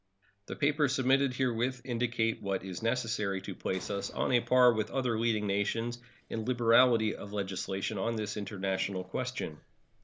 The papers submitted herewith indicate what is necessary to place us on a par with other leading nations in liberality of legislation on this international question.